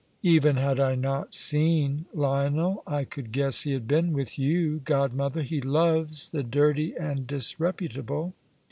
Even had I not seen Lionel I could guess he had been with you, godmother. He loves the dirty and disreputable."